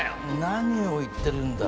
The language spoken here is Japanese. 何を言ってるんだ。